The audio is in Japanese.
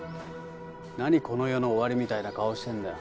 何この世の終わりみたいな顔してんだよ？